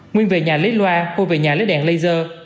nguyên về nhà lấy loa mua về nhà lấy đèn laser